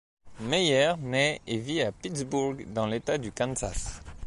Meier naît et vit à Pittsburg dans l'État du Kansas.